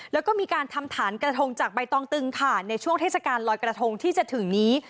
แล้วก็มีการทำฐานกระทงจากใบตองตึงค่ะในช่วงเทศกาลลอยกระทงที่จะถึงนี้